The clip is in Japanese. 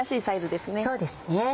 そうですね。